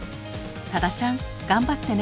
多田ちゃん頑張ってね。